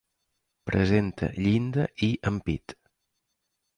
Presenta llinda i ampit.